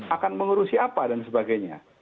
akan mengurusi apa dan sebagainya